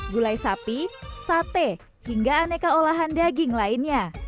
gulai sapi sate hingga aneka olahan daging lainnya